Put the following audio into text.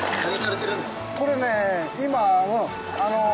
これね今。